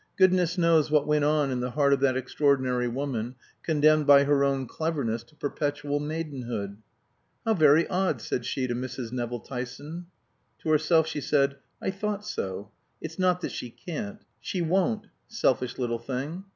Goodness knows what went on in the heart of that extraordinary woman, condemned by her own cleverness to perpetual maidenhood. "How very odd," said she to Mrs. Nevill Tyson. To herself she said, "I thought so. It's not that she can't. She won't selfish little thing.